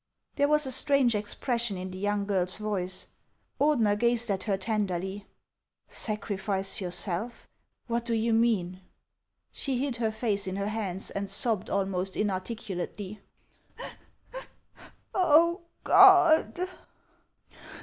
There was a strange expression in the young girl's voice. Ordener gazed at her tenderly. " Sacrifice yourself ! What do you mean ?" She hid her face in her hands, and sobbed almost inarticulately, " Oh, God